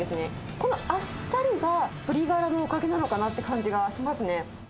このあっさりが、鶏がらのおかげなのかなという感じがしますね。